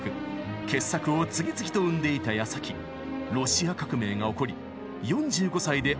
傑作を次々と生んでいたやさきロシア革命が起こり４５歳でアメリカへ亡命。